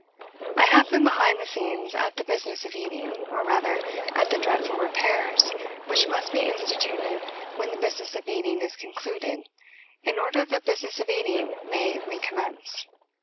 I have been behind the scenes at the business of eating, or rather, at the dreadful repairs which must be instituted when the business of eating is concluded in order that the business of eating may recommence.